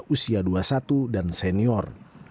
usia dua puluh satu dan senior